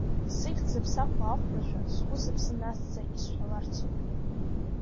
Сыхьӡ заԥсахуа Ахәрашәа, сгәы-сыԥсы надҵа исҳәаларцоуп.